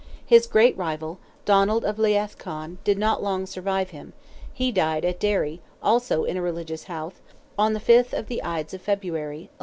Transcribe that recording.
His great rival, Donald of Leath Conn, did not long survive him: he died at Derry, also in a religious house, on the 5th of the Ides of February, A.